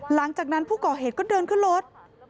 หลังจากนั้นผู้ก่อเหตุก็เดินขึ้นรถ